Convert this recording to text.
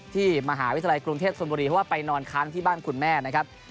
ที่มหาวิทยาลัยกรุงเทพธนบุรีเพราะว่าไปนอนค้างที่บ้านคุณแม่นะครับ